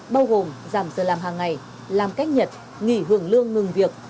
bao gồm giảm giờ làm hàng ngày làm cách nhật nghỉ hưởng lương ngừng việc